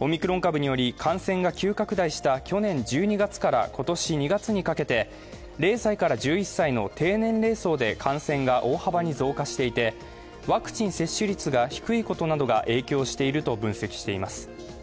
オミクロン株により感染が急拡大した去年１２月から今年２月にかけて０歳から１１歳の低年齢層で感染が大幅に増加していてワクチン接種率が低いことなどが影響していると分析しています。